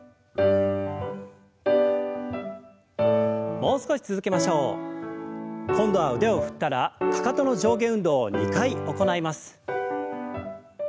もう少し続けましょう。今度は腕を振ったらかかとの上下運動を２回行います。